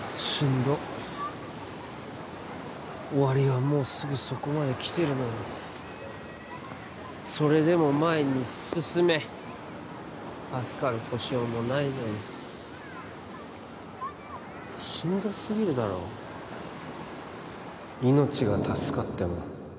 どっ終わりはもうすぐそこまで来てるのにそれでも前に進め助かる保証もないのにしんどすぎるだろ命が助かっても